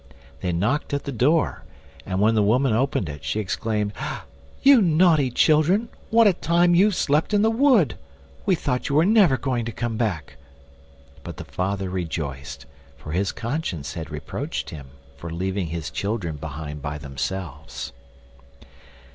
They knocked at the door, and when the woman opened it she exclaimed: "You naughty children, what a time you've slept in the wood! we thought you were never going to come back." But the father rejoiced, for his conscience had reproached him for leaving his children behind by themselves.